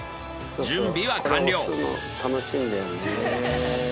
準備は完了。